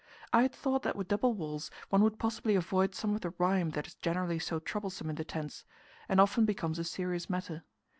I had thought that with double walls one would possibly avoid some of the rime that is generally so troublesome in the tents, and often becomes a serious matter.